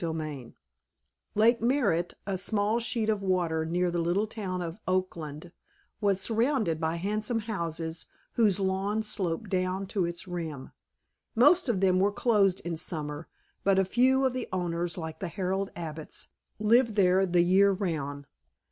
XXXIII Lake Merritt, a small sheet of water near the little town of Oakland, was surrounded by handsome houses whose lawns sloped down to its rim. Most them were closed in summer, but a few of the owners, like the Harold Abbotts, lived there the year round.